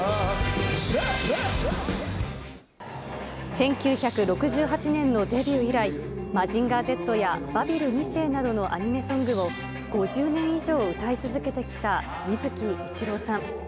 １９６８年のデビュー以来、マジンガーＺやバビル２世などのアニメソングを５０年以上歌い続けてきた水木一郎さん。